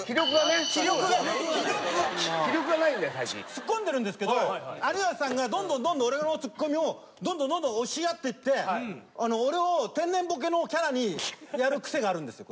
ツッコんでるんですけど有吉さんがどんどんどんどん俺のツッコミをどんどんどんどん押しやっていって俺を天然ボケのキャラにやるクセがあるんですよ。